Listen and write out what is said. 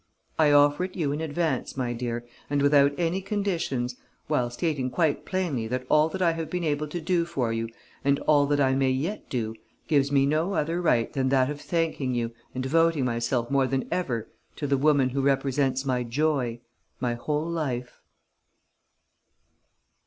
I offer it you in advance, my dear, and without any conditions, while stating quite plainly that all that I have been able to do for you and all that I may yet do gives me no other right than that of thanking you and devoting myself more than ever to the woman who represents my joy, my whole life."